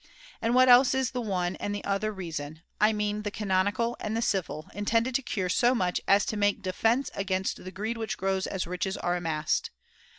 And what else is the one and the other Reason, I mean the canonical and the civil, intended to cure so much as to make defence against the greed which grows as riches are amassed